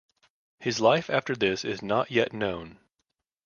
His life after this is not yet known.